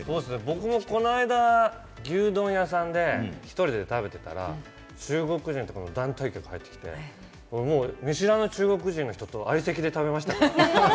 僕もこの間、牛丼屋さんで１人で食べてたら中国人とかの団体客が入ってきて、見知らぬ中国人の人と相席で食べましたよ。